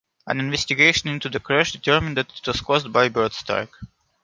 An investigation into the crash determined that it was caused by bird strike.